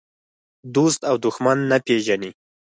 دوست او دښمن نه پېژني.